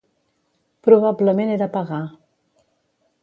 Probablement era pagà.